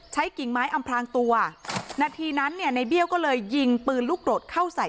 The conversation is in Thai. กิ่งไม้อำพลางตัวนาทีนั้นเนี่ยในเบี้ยวก็เลยยิงปืนลูกโดดเข้าใส่